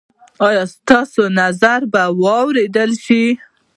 ایا ستاسو نظر به واوریدل شي؟